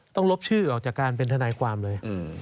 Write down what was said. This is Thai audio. ลบชื่อออกจากการเป็นทนายความเลย